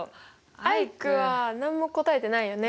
アイクは何も答えてないよね。